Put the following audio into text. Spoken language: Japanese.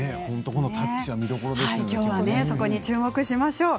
きょうはそこに注目しましょう。